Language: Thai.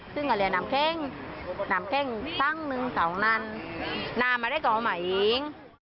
ซึ่งก็เรียนนำเคร่งนำเคร่งทั้งหนึ่งเท่านั้นนำมาได้กับเขามาเอง